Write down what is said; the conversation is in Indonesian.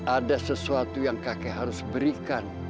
ada sesuatu yang kakek harus berikan